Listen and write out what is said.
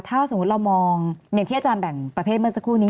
ถ้าสมมุติเรามองอย่างที่อาจารย์แบ่งประเภทเมื่อสักครู่นี้